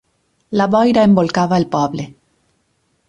La boira embolcava el poble.